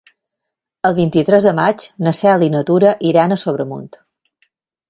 El vint-i-tres de maig na Cel i na Tura iran a Sobremunt.